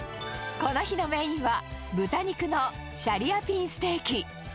この日のメインは、豚肉のシャリアピンステーキ。